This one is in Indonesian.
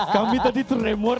kami tadi tremur